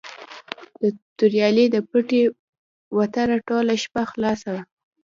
د توریالي د پټي وتره ټوله شپه خلاصه وه.